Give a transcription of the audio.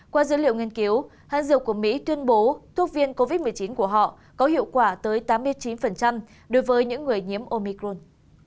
qua dữ liệu nghiên cứu hán dược của mỹ tuyên bố thuốc viện covid một mươi chín của họ có hiệu quả tới tám mươi chín đối với những người nhiễm omicron